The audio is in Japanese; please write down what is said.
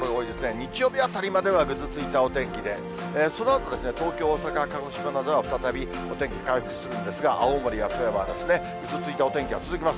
日曜日あたりまではぐずついたお天気で、そのあと、東京、大阪、鹿児島などは、再びお天気回復するんですが、青森や富山はぐずついたお天気が続きます。